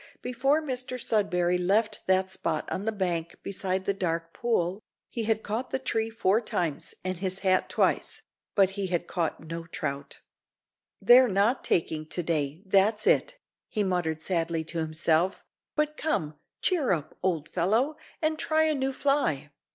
Before Mr Sudberry left that spot on the bank beside the dark pool, he had caught the tree four times and his hat twice, but he had caught no trout. "They're not taking to day, that's it," he muttered sadly to himself; "but come, cheer up, old fellow, and try a new fly."